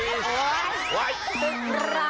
ตึกร้าง